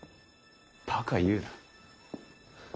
バカ言うな。